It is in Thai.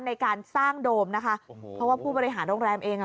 ในการสร้างโดมนะคะโอ้โหเพราะว่าผู้บริหารโรงแรมเองอ่ะ